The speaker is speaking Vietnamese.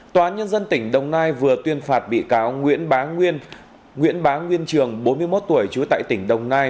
tòa án nhân dân tỉnh đồng nai vừa tuyên phạt bị cáo nguyễn bá nguyên trường bốn mươi một tuổi trú tại tỉnh đồng nai